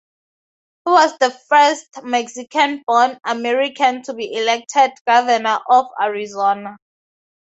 He was the first Mexican-born American to be elected governor of Arizona.